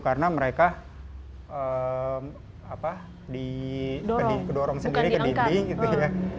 karena mereka apa di dorong sendiri ke diri gitu ya